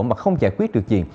mà không giải quyết được gì